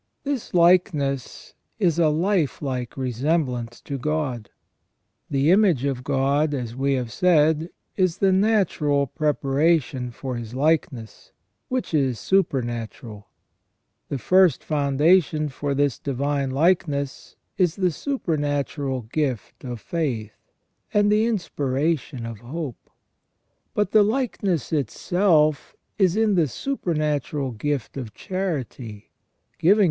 This likeness is a life like resemblance to God. The image of God, as we have said, is the natural preparation for His likeness, which is supernatural. The first foundation for this divine likeness is the supernatural gift of faith, and the inspiration of hope ; but the likeness itself is in the supernatural gift of charity, giving to the • See Bossuet's admirable Sermon Sur la Saitttc Triniti